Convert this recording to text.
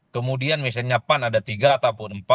kemudian misalnya pan ada tiga ataupun empat